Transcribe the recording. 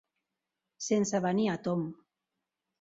Sense venir a tomb.